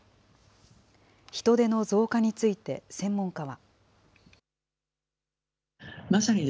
人出の増加について、専門家は。